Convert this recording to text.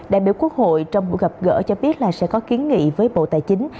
đại biểu quốc hội trong buổi gặp gỡ cho biết là sẽ có kiến nghị với bộ tài chính